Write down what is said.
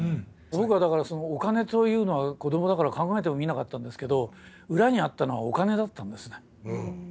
僕はだからお金というのは子どもだから考えてもみなかったんですけど裏にあったのはお金だったんですね。